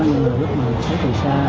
nó như là lúc nào thấy từ xa